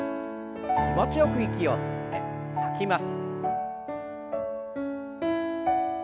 気持ちよく息を吸って吐きます。